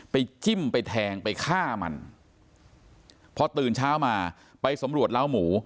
จิ้มไปแทงไปฆ่ามันพอตื่นเช้ามาไปสำรวจล้าวหมู